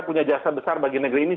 punya jasa besar bagi negeri ini